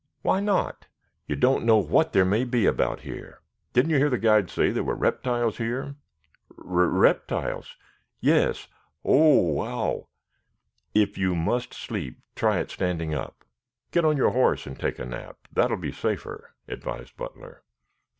"Why not?" "You don't know what there may be about here. Didn't you hear the guide say there were reptiles here?" "Re reptiles?" "Yes." "Oh h h, wow!" "If you must sleep, try it standing up. Get on your horse and take a nap. That will be safer," advised Butler.